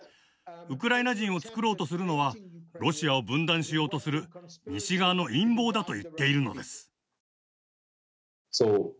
ウクライナ人をつくろうとするのはロシアを分断しようとする西側の陰謀だと言っているのです。